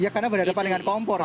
ya karena berada di depan kompor